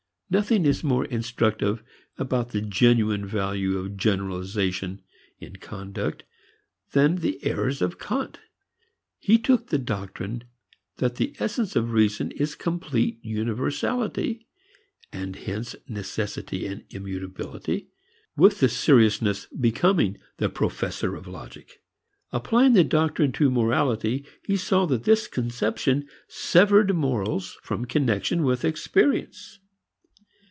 Nothing is more instructive about the genuine value of generalization in conduct than the errors of Kant. He took the doctrine that the essence of reason is complete universality (and hence necessity and immutability), with the seriousness becoming the professor of logic. Applying the doctrine to morality he saw that this conception severed morals from connection with experience.